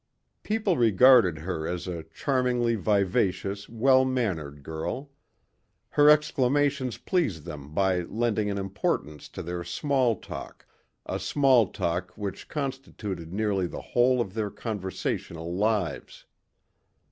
People regarded her as a charmingly vivacious, well mannered girl. Her exclamations pleased them by lending an importance to their small talk a small talk which constituted nearly the whole of their conversational lives.